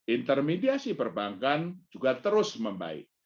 intermediasi perbankan juga terus membaik